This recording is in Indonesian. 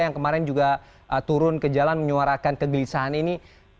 yang kemarin juga turun ke jalan menyuarakan kegelisahan ini